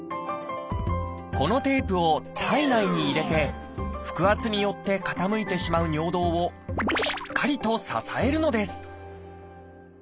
このテープを体内に入れて腹圧によって傾いてしまう尿道をしっかりと支えるのです。